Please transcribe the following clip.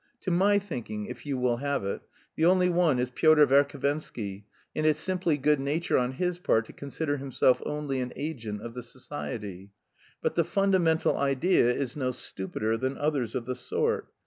To my thinking, if you will have it, the only one is Pyotr Verhovensky, and it's simply good nature on his part to consider himself only an agent of the society. But the fundamental idea is no stupider than others of the sort.